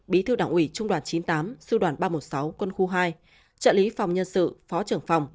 bí thư đảng ủy trung đoàn chín mươi tám sư đoàn ba trăm một mươi sáu quân khu hai trợ lý phòng nhân sự phó trưởng phòng